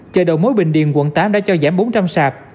chợ đầu mối bình điền quận tám đã cho giảm bốn trăm linh sạp